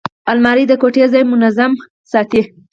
الماري د کوټې ځای منظمه ساتي